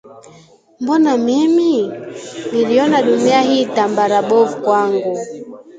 Mbona mimi? Niliona dunia hii tambara bovu kwangu